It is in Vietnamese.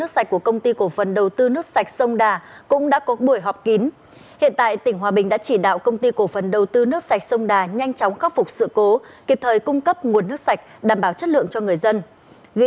xin chào và hẹn gặp lại